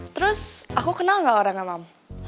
terus aku kenal nggak orangnya mam